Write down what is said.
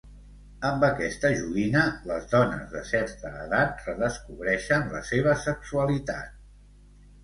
Amb aquesta joguina, les dones de certa edat redescobreixen la seva sexualitat.